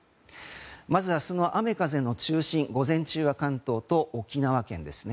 まず、明日の雨風の中心午前中は関東と沖縄県ですね。